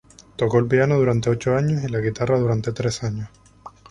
Tocó el piano durante ocho años y la guitarra durante tres años.